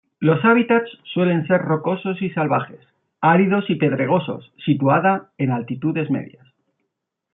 Los hábitats suelen ser rocosos y salvajes, áridos y pedregosos situada en altitudes medias.